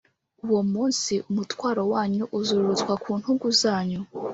Uwo munsi, umutwaro wanyu uzururutswa ku ntugu zanyu,